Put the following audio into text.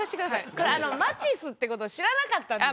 これマティスってことを知らなかったんですよ。